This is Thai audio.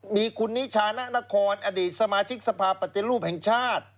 มีคุณนิชานะนครอดีตสมาชิกสภาพปฏิรูปแห่งชาติ